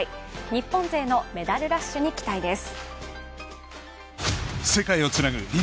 日本勢のメダルラッシュに期待です。